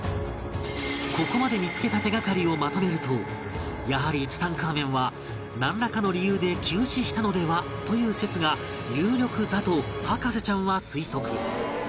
ここまで見つけた手がかりをまとめるとやはりツタンカーメンはなんらかの理由で急死したのでは？という説が有力だと博士ちゃんは推測